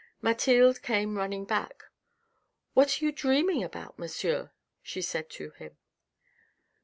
Mathilde came running back. "What are you dreaming about, monsieur ?" she said to him.